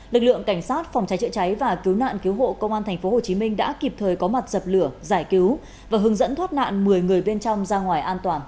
lực lượng cảnh sát phòng trái trợ cháy và cứu nạn cứu hộ công an tp hcm đã kịp thời có mặt dập lửa giải cứu và hướng dẫn thoát nạn một mươi người bên trong ra ngoài